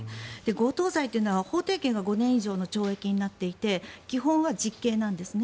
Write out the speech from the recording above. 強盗罪というのは法定刑５年以上の懲役になっていて基本は実刑なんですね。